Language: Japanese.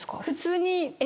普通に。